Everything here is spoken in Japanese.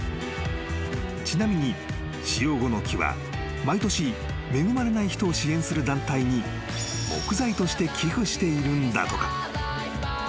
［ちなみに使用後の木は毎年恵まれない人を支援する団体に木材として寄付しているんだとか］